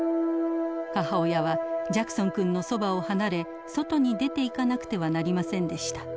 母親はジャクソン君のそばを離れ外に出ていかなくてはなりませんでした。